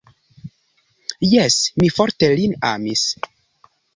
Jes, mi forte lin amis.